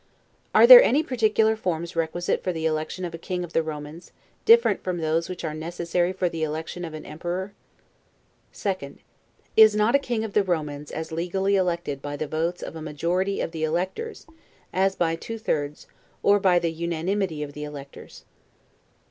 Are there any particular forms requisite for the election of a King of the Romans, different from those which are necessary for the election of an Emperor? 2d. Is not a King of the Romans as legally elected by the votes of a majority of the electors, as by two thirds, or by the unanimity of the electors?